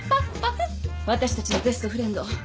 私たちのベストフレンド